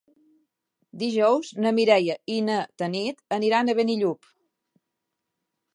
Dijous na Mireia i na Tanit aniran a Benillup.